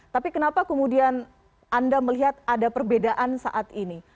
tapi kenapa kemudian anda melihat ada perbedaan saat ini